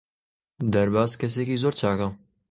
دەرباز کەسێکی زۆر چاکە.